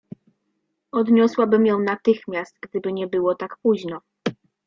Odniosłabym ją natychmiast, gdyby nie było tak późno.